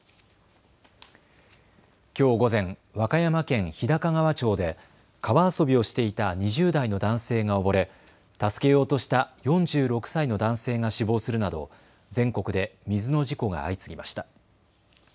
きょう午前、和歌山県日高川町で川遊びをしていた２０代の男性が溺れ、助けようとした４６歳の男性が死亡するなど全国で水の事故が相次ぎました。